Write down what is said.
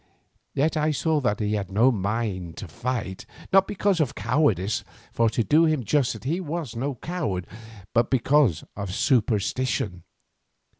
Yet I saw that he had no mind to fight, not because of cowardice, for to do him justice he was no coward, but because of superstition.